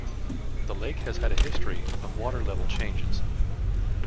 The lake has had a history of water level changes.